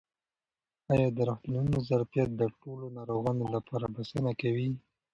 آیا د روغتونونو ظرفیت د ټولو ناروغانو لپاره بسنه کوي؟